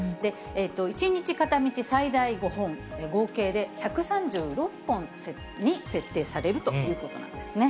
１日片道最大５本、合計で１３６本に設定されるということなんですね。